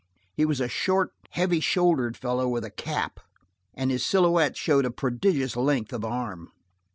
He was a short, heavy shouldered fellow in a cap, and his silhouette showed a prodigious length of arm.